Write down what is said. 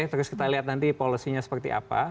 terus kita lihat nanti polosinya seperti apa